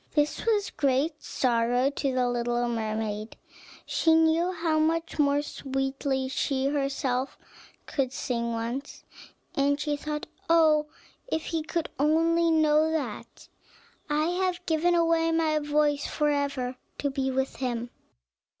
This was great sorrow to the little mermaid; she knew how much more sweetly she herself could sing once, and she thought, "Oh if he could only know that! I have given away my voice forever, to be with him."